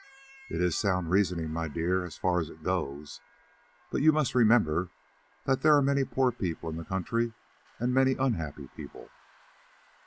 "It is sound reasoning, my dear, as far as it goes. But you must remember that there are many poor people in the country and many unhappy people."